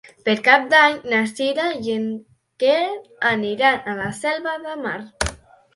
Per Cap d'Any na Sira i en Quer aniran a la Selva de Mar.